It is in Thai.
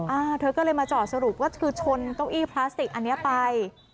อ่าเธอก็เลยมาจอดสรุปว่าเธอชนเก้าอี้พลาสติกอันนี้ไป